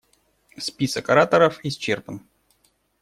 Список ораторов исчерпан.